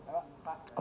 perbankan itu sendiri